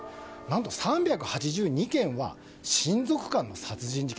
３８２件は親族間の殺人事件。